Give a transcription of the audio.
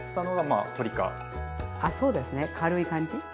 あそうですね。軽い感じ？